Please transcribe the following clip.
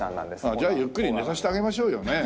じゃあゆっくり寝させてあげましょうよねえ。